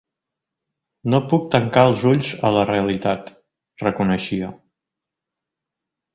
No puc tancar els ulls a la realitat, reconeixia.